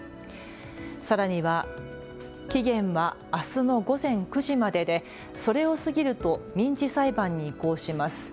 さらには期限はあすの午前９時まででそれを過ぎると民事裁判に移行します。